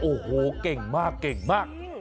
โอ้โหเก่งมากเก่งมาก